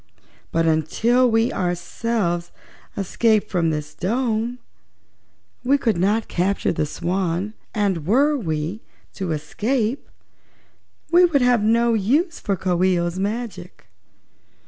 But until we ourselves escape from this dome we could not capture the Swan, and were we to escape we would have no use for Coo ee oh's magic."